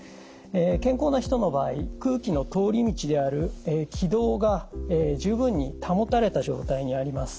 健康な人の場合空気の通り道である気道が十分に保たれた状態にあります。